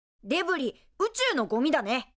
デブリ宇宙のゴミだね。